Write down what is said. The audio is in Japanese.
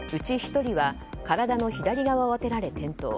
１人は体の左側を当てられ転倒。